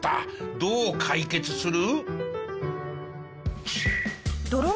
どう解決する？